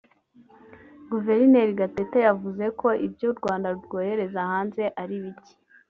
Guverineri Gatete yavuze ko ibyo u Rwanda rwohereza hanze ari bike